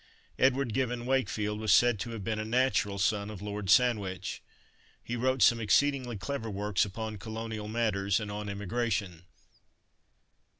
Edward Gibbon Wakefield was said to have been a natural son of Lord Sandwich. He wrote some exceedingly clever works upon colonial matters, and on emigration.